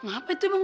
ngapain tuh emang